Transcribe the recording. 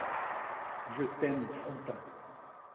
Je t’aime, Frontin !